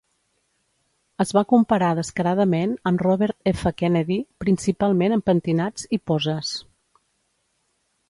Es va comparar descaradament amb Robert F. Kennedy, principalment amb pentinats i poses.